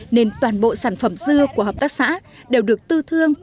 nên toàn bộ sản phẩm dưa của hợp tác xã đều được tư thương